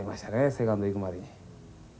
セカンド行くまでに。